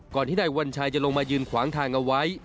ที่นายวัญชัยจะลงมายืนขวางทางเอาไว้